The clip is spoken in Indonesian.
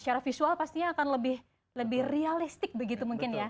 secara visual pastinya akan lebih realistik begitu mungkin ya